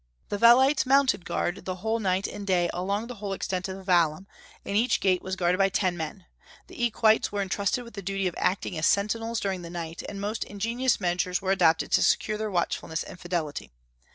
The velites mounted guard the whole night and day along the whole extent of the vallum, and each gate was guarded by ten men; the equites were intrusted with the duty of acting as sentinels during the night, and most ingenious measures were adopted to secure their watchfulness and fidelity.